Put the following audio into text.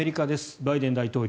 バイデン大統領。